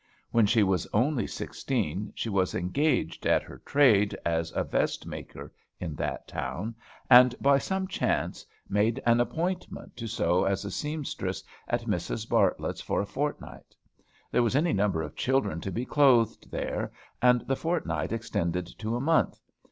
When she was only sixteen, she was engaged at her "trade," as a vest maker, in that town; and, by some chance, made an appointment to sew as a seamstress at Mrs. Bartlett's for a fortnight. There were any number of children to be clothed there; and the fortnight extended to a month.